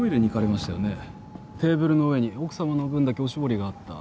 テーブルの上に奥さまの分だけお絞りがあった。